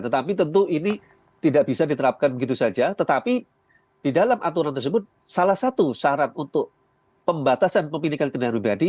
tetapi tentu ini tidak bisa diterapkan begitu saja tetapi di dalam aturan tersebut salah satu syarat untuk pembatasan pemilikan kendaraan pribadi